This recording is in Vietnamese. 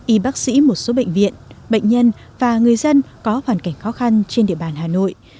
y bác sĩ một số bệnh viện bệnh nhân và người dân có hoàn cảnh khó khăn trên địa bàn hà nội